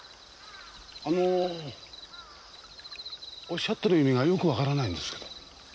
あのおっしゃってる意味がよくわからないんですけど。